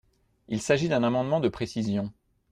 Il s’agit d’un amendement de précision.